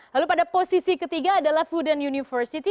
lalu pada posisi ketiga adalah fudent university